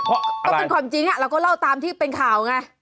เพราะก็เป็นความจริงเราก็เล่าตามที่เป็นข่าวไง